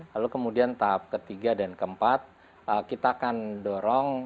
lalu kemudian tahap ketiga dan keempat kita akan dorong